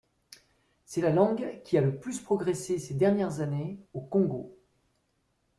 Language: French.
C'est la langue qui a le plus progressé ces dernières années au Congo.